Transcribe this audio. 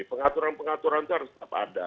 pengaturan pengaturan itu harus tetap ada